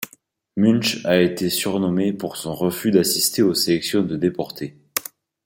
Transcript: Münch a été surnommé pour son refus d'assister aux sélections de déportés.